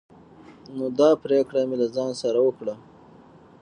نو دا پريکړه مې له ځان سره وکړه